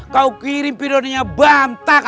kau kirim periodenya bantang